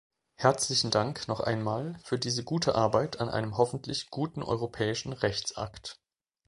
Herzlichen Dank noch einmal für diese gute Arbeit an einem hoffentlich guten europäischen Rechtsakt.